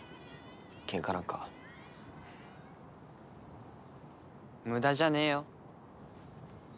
ケンカなんか無駄じゃねえよ